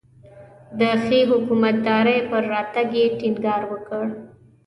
د ښې حکومتدارۍ پر راتګ یې ټینګار وکړ.